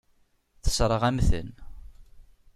Tessṛeɣ-am-ten.